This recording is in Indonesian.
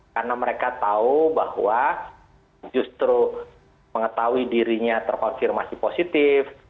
karena mereka tahu bahwa justru mengetahui dirinya terkonfirmasi positif